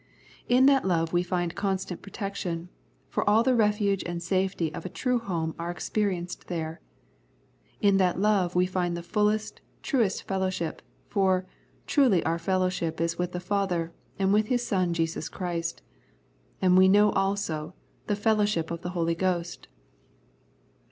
In that love we find constant protection, for all the refuge and safety of a true home are experienced there. In that love we find the fullest, truest fellowship, for " truly our fellowship is with the Father, and with His Son Jesus Christ "; and we know also " the fellowship of the Holy Ghost."